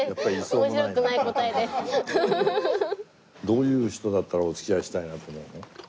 どういう人だったらお付き合いしたいなと思うの？